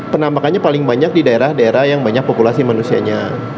penampakannya paling banyak di daerah daerah yang banyak populasi manusianya